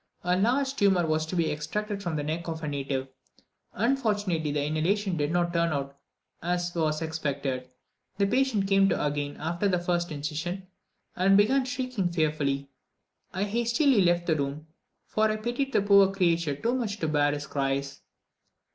A large tumour was to be extracted from the neck of a native. Unfortunately the inhalation did not turn out as was expected: the patient came to again after the first incision, and began shrieking fearfully. I hastily left the room, for I pitied the poor creature too much to bear his cries.